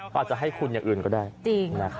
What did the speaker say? เขาอาจจะให้คุณอย่างอื่นก็ได้